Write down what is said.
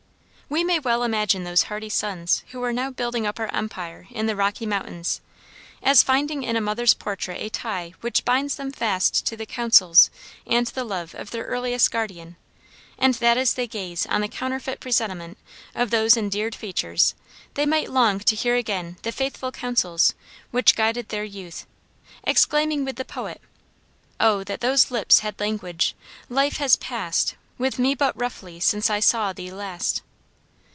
We may well imagine those hardy sons who are now building up our empire in the Rocky Mountains, as finding in a mother's portrait a tie which binds them fast to the counsels and the love of their earliest guardian, and that as they gaze on the "counterfeit presentment" of those endeared features, they might long to hear again the faithful counsels which guided their youth, exclaiming with the poet, "O, that those lips had language! life has passed With me but roughly since I saw thee last."